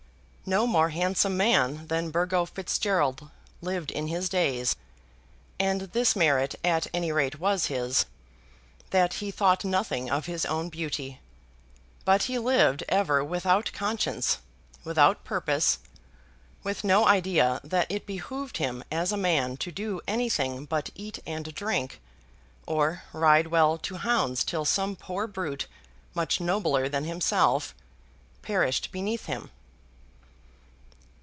No more handsome man than Burgo Fitzgerald lived in his days; and this merit at any rate was his, that he thought nothing of his own beauty. But he lived ever without conscience, without purpose, with no idea that it behoved him as a man to do anything but eat and drink, or ride well to hounds till some poor brute, much nobler than himself, perished beneath him.